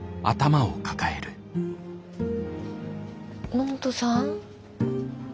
野本さん？